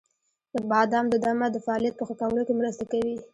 • بادام د دمه د فعالیت په ښه کولو کې مرسته کوي.